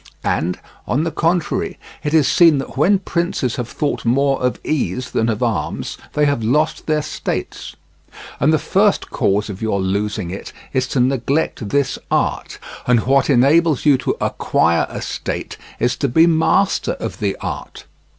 And, on the contrary, it is seen that when princes have thought more of ease than of arms they have lost their states. And the first cause of your losing it is to neglect this art; and what enables you to acquire a state is to be master of the art.